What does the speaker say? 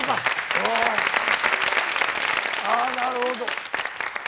あなるほど。